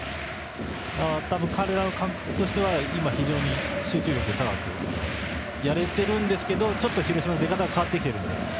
多分、彼らの感覚としては非常に集中力高くやれているんですけどちょっと広島の出方が変わってきていますね。